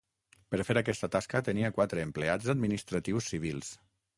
Per fer aquesta tasca, tenia quatre empleats administratius civils.